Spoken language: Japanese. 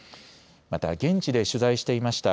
また現地で取材していました